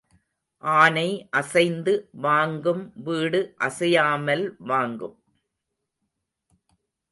ஆனை அசைந்து வாங்கும், வீடு அசையாமல் வாங்கும்.